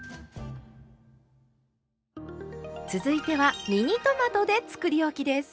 続いてはミニトマトでつくりおきです。